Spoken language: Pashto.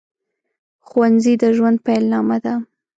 ښوونځي د ژوند پیل نامه ده